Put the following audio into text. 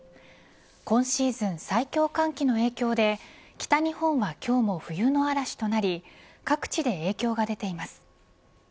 今シーズン最強寒気の影響で北日本は今日も冬の嵐となり各地で影響が出ています。